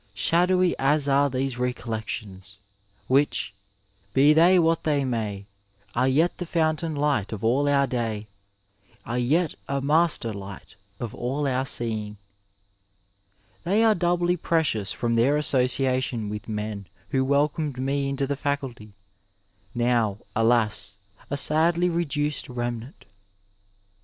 Shadowy as are these recoUec iaons, which, be they \iiiat ihey may Are yet the f onntain light of ajl our day, Are yet a master light of all our seeing, they are doubly precious from their association with men who welcomed me into the Faculty, now, alas, a sadly re duced remnant.